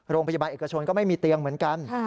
โรงพยาบาลเอกชนก็ไม่มีเตียงเหมือนกัน